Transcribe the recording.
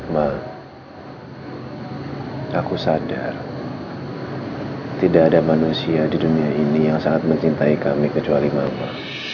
mak aku sadar tidak ada manusia di dunia ini yang sangat mencintai kami kecuali mama